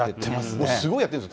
もうすごいやってるんですよ。